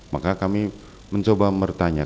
maka kami mencoba bertanya